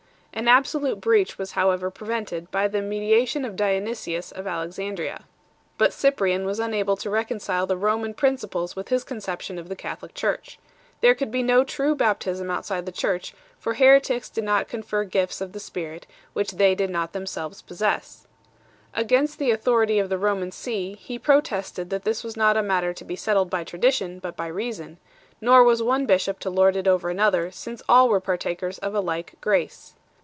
An absolute breach was however prevented by the media tion of Dionysius of Alexandria 6 . But Cyprian was unable to reconcile the Roman principles with his conception of the Catholic Church. There could be no true baptism out side the Church, for heretics could not confer gifts of the Spirit which they did not themselves possess 7 . Against the authority of the Roman see, he protested that this was not a matter to be settled by tradition, but by reason 8 ; nor was one bishop to lord it over another, since all were partakers of a like grace.